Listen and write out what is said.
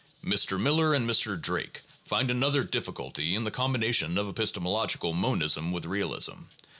Mr. Miller and Mr. Drake find another difficulty in the combination of epistemological monism with realism.